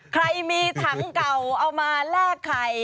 ใครมีถังเก่าเอามาแลกไข่